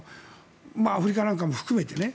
アフリカなんかも含めてね。